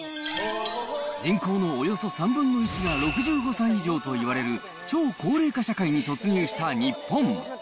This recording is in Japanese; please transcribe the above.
人口のおよそ３分の１が６５歳以上といわれる、超高齢化社会に突入した日本。